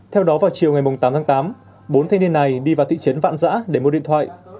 theo đó vào chiều ngày tám tháng tám bốn thanh niên này đi vào thị trấn vạn giã để mua điện thoại